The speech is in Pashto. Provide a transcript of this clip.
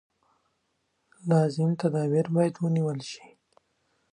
لازم تدابیر باید ونېول شي.